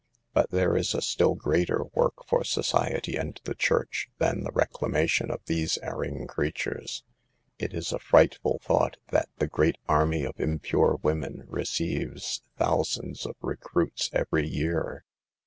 But there is a still greater work for society and the church than the reclamation of these erring creatures. It is a frightful thought that the great army of impure women receives thou sands of recruits every year.